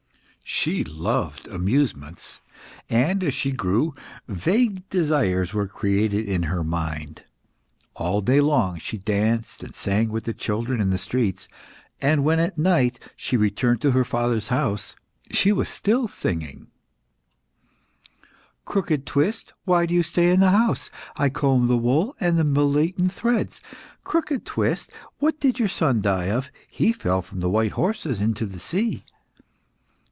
She loved amusements, and, as she grew, vague desires were created in her mind. All day long she danced and sang with the children in the streets, and when at night she returned to her father's house, she was still singing "Crooked twist, why do you stay in the house? I comb the wool, and the Miletan threads. Crooked twist, what did your son die of? He fell from the white horses into the sea."